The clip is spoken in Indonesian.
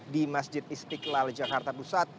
di masjid istiqlal jakarta pusat